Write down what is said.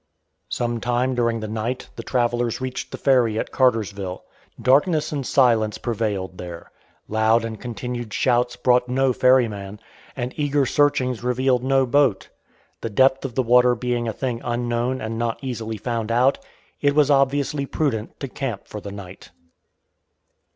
Some time during the night the travelers reached the ferry at Cartersville. Darkness and silence prevailed there. Loud and continued shouts brought no ferryman, and eager searchings revealed no boat. The depth of the water being a thing unknown and not easily found out, it was obviously prudent to camp for the night.